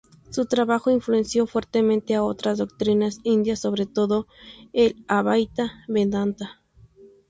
Su trabajo influenció fuertemente a otras doctrinas indias, sobre todo el advaita vedanta.